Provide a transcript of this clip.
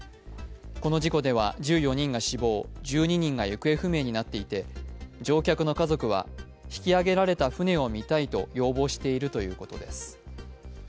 この事故では１４人が死亡、１２人が行方不明になっていて、乗客の家族は、引き揚げられた船を見たいと要望しているということです。